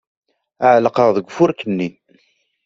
Ɛellqeɣ deg ufurk-nni.